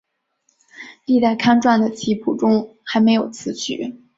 历代刊传的琴谱中还没有此曲。